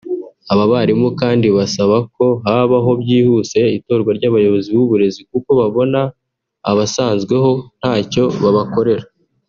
Aba barimu kandi basaba ko habaho byihuse itorwa ry’abayobozi b’uburezi kuko babona abasanzweho ntacyo babakorera